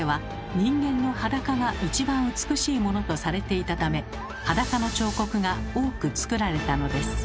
人間の裸が一番美しいものとされていたため裸の彫刻が多く作られたのです。